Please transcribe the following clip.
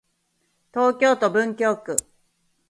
東京都文京区